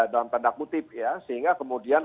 dalam tanda kutip ya sehingga kemudian